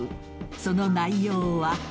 その内容は。